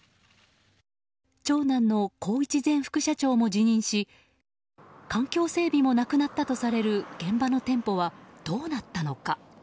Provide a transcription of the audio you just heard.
長男の宏一前副社長も辞任し環境整備もなくなったとされる現場の店舗はどうなったのか。